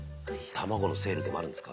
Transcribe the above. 卵のセールでもあるんですか？